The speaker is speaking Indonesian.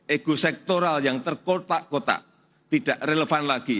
ego sektoral yang terkotak kotak tidak relevan lagi